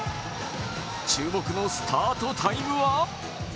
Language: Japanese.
注目のスタートタイムは？